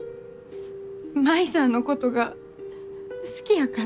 舞さんのことが好きやから？